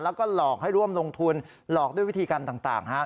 แล้วก็หลอกให้ร่วมลงทุนหลอกด้วยวิธีการต่าง